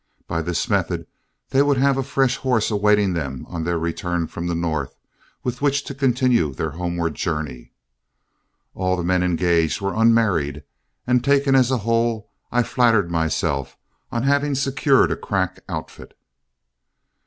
By this method they would have a fresh horse awaiting them on their return from the North with which to continue their homeward journey. All the men engaged were unmarried, and taken as a whole, I flattered myself on having secured a crack outfit.